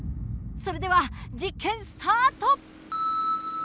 それでは実験スタート！